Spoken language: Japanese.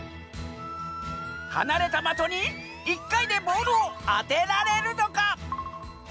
はなれたまとに１かいでボールをあてられるのか？